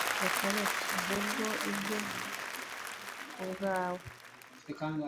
reka reka google ibyo kubwawe